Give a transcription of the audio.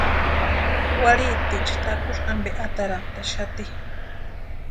Warhitiecha takusï ampe atarantaxati.